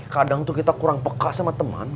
kadang tuh kita kurang peka sama teman